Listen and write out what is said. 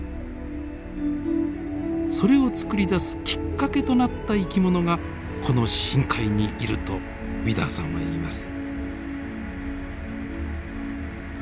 それをつくり出すきっかけとなった生き物がこの深海にいるとウィダーさんは言います。